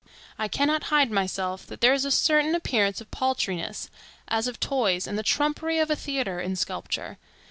I cannot hide from myself that there is a certain appearance of paltriness, as of toys and the trumpery of a theatre, in sculpture.